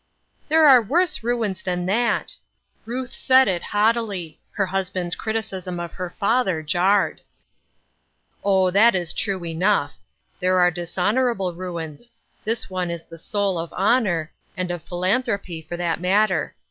" There are worse ruins than that !" Ruth said it haughtily ; her husband's criticism of her father jarred. " Oh, that is true enough. There are dishon orable ruins ; this one is the soul of honor, and of philanthropy, for that matter.